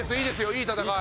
いい戦い。